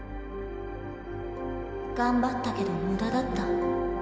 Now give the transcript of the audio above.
頑張ったけど無駄だった。